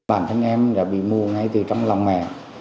bản thân em đã bị mù ngay từ trong lòng mẹ